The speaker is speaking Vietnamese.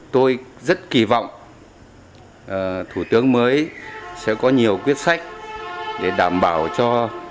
tôi rất kỳ vọng thủ tướng mới sẽ có nhiều quyết sách để đảm bảo cho